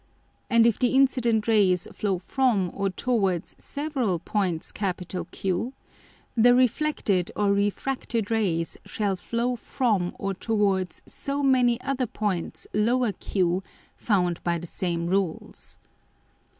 And if the incident Rays flow from or towards several points Q, the reflected or refracted Rays shall flow from or towards so many other Points q found by the same Rules.